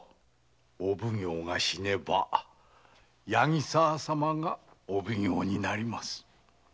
お奉行が死ねば八木沢様がお奉行になります。